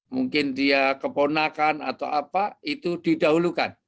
mungkin dia keponakan atau apa itu didahulukan